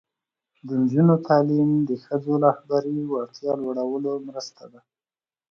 د نجونو تعلیم د ښځو رهبري وړتیا لوړولو مرسته ده.